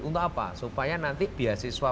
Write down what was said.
untuk apa supaya nanti beasiswa